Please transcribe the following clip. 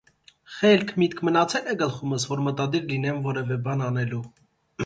- խելք, միտք մնացե՞լ է գլխումս, որ մտադիր լինեմ որևէ բան անելու: